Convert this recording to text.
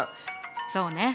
そうね。